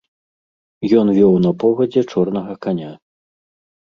Ён вёў на повадзе чорнага каня.